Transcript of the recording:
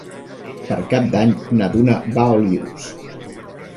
Per Cap d'Any na Duna va a Olius.